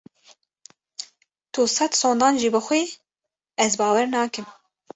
Tu sed sondan jî bixwî ez bawer nakim.